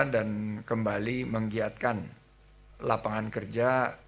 dan kembali menggiatkan lapangan kerja